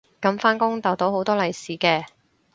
噉返工逗到好多利是嘅